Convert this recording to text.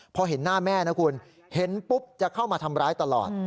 พอเห็นหน้าแม่นะคุณเห็นปุ๊บจะเข้ามาทำร้ายตลอด